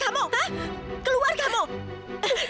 kamu belum nanti ketemu kami